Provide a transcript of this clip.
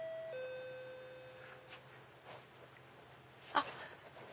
あっ。